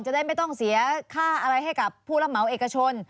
จะได้ไม่ต้องเสียค่าอะไรให้กับผู้รับเหมาเอกชน